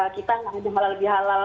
kita semakin halal lebih halal